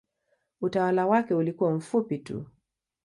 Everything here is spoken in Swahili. Utawala wake ulikuwa mfupi tu.